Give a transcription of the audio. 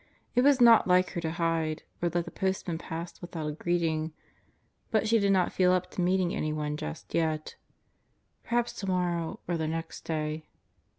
It was not like her to hide, or let the postman pass without a greeting, but she did not feel up to meeting anyone just yet. Perhaps tomorrow or the next day